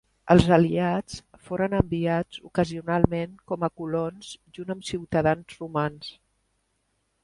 Els aliats foren enviats ocasionalment com a colons junt amb ciutadans romans.